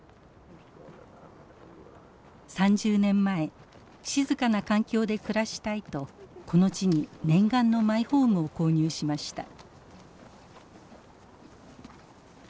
３０年前静かな環境で暮らしたいとこの地に念願のマイホームを購入しました。